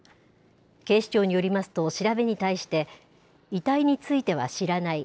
警視庁によりますと、調べに対して、遺体については知らない。